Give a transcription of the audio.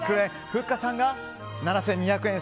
ふっかさんが７２００円。